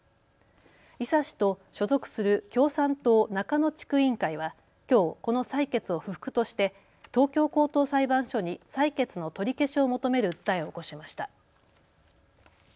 井佐氏と所属する共産党中野地区委員会はきょうこの裁決を不服として東京高等裁判所に裁決の取り消しを求める訴えを起こしました。